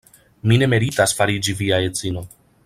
Mi ne meritas fariĝi via edzino.